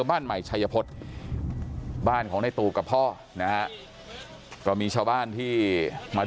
บ้านใหม่ชัยพฤษบ้านของในตูบกับพ่อนะฮะก็มีชาวบ้านที่มา